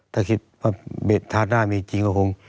ถ้าคิดว่าทาหน้ามีจริงก็คง